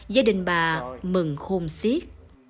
gia đình bà mừng khôn siết